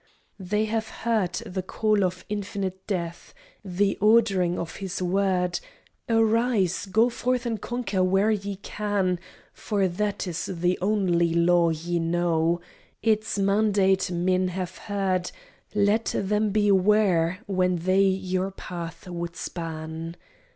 They have heard the call of infinite Death, The ordering of his word, "Arise, go forth and conquer where ye can; For that is the only law ye know, Its mandate men have heard, Let them beware when they your path would span.